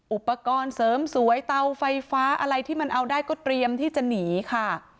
อุปกรณ์เสริมสวยเตาไฟฟ้าอะไรที่มันเอาได้ก็เตรียมที่จะหนีค่ะ